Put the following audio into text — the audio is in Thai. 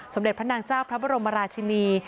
สำเด็จพระนางจากพระบรมราชินี